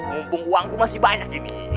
mumpung uangku masih banyak ini